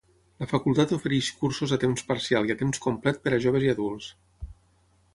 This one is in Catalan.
La facultat ofereix cursos a temps parcial i a temps complet per a joves i adults.